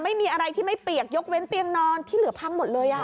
ไม่มีอะไรที่ไม่เปียกยกเว้นเตียงนอนที่เหลือพังหมดเลย